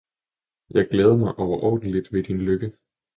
jeg glæder mig overordentlig ved din lykke!